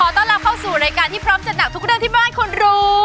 บรรกาที่พร้อมจัดหนักทุกเรื่องที่ไม่มีคนออกไปรู้